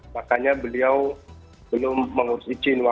makanya beliau belum mengurus izin